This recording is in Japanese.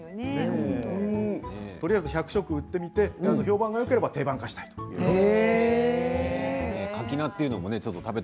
とりあえず１００食、売ってみて評判がよければ定番化したいということでした。